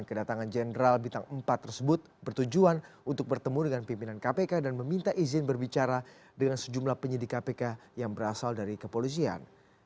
kedatangan jenderal bintang empat tersebut bertujuan untuk bertemu dengan pimpinan kpk dan meminta izin berbicara dengan sejumlah penyidik kpk yang berasal dari kepolisian